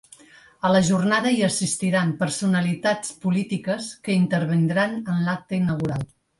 A la jornada hi assistiran personalitats polítiques que intervindran en l’acte inaugural.